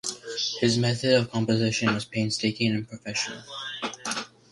His method of composition was painstaking and professional.